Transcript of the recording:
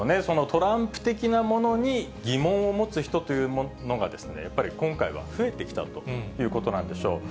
トランプ的なものに疑問を持つ人というのが、やっぱり今回は増えてきたということなんでしょう。